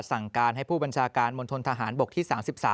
สั่งการให้ผู้บัญชาการมณฑนทหารบกที่๓๓